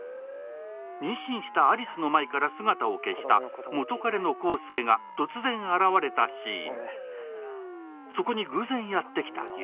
妊娠した有栖の前から姿を消した元カレの康介が偶然現れたシーン。